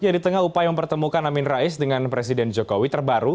di tengah upaya mempertemukan amin rais dengan presiden jokowi terbaru